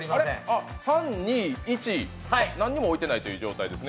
あ、３、２、１何も置いてないという状態ですね。